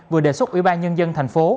vừa đề xuất ủy ban nhân dân tp